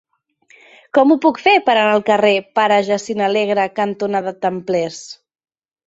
Com ho puc fer per anar al carrer Pare Jacint Alegre cantonada Templers?